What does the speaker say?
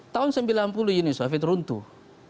tahun sembilan puluh uni soviet runtuh